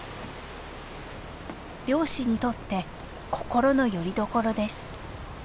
漁師にとって心のよりどころです。